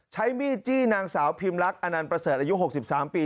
ใช้มีดจี้นางสาวพิมรักอานันประเสริฐอายุหกสิบสามปี